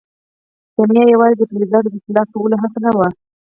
کیمیا یوازې د فلزاتو د طلا کولو هڅه نه وه.